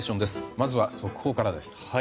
まずは速報からです。